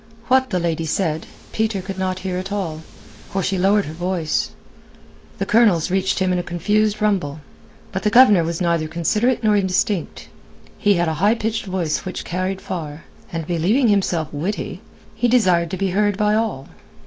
What the lady said, Peter could not hear at all, for she lowered her voice; the Colonel's reached him in a confused rumble, but the Governor was neither considerate nor indistinct; he had a high pitched voice which carried far, and believing himself witty, he desired to be heard by all.